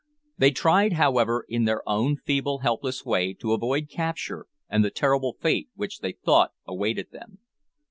They tried, however, in their own feeble, helpless way, to avoid capture and the terrible fate which they thought awaited them.